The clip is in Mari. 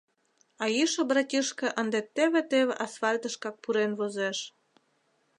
А йӱшӧ Братишка ынде теве-теве асфальтышкак пурен возеш.